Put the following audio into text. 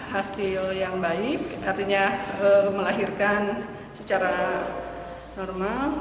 hasil yang baik artinya melahirkan secara normal